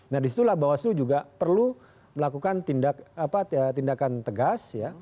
nah disitulah bawaslu juga perlu melakukan tindakan tegas ya